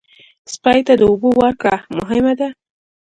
سپي ته د اوبو ورکړه مهمه ده.